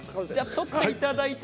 取っていただいて。